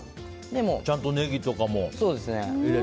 ちゃんとネギとかも入れて。